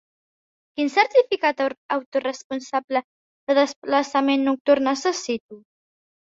Quin certificat autoresponsable de desplaçament nocturn necessito?